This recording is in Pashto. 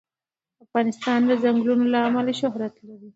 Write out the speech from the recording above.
افغانستان د ځنګلونه له امله شهرت لري.